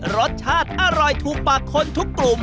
รสชาติอร่อยถูกปากคนทุกกลุ่ม